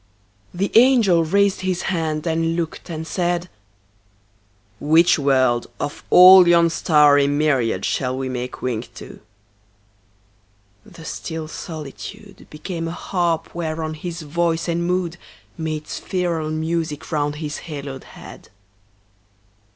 The angel raised his hand and looked and said, "Which world, of all yon starry myriad Shall we make wing to?" The still solitude Became a harp whereon his voice and mood Made spheral music round his haloed head.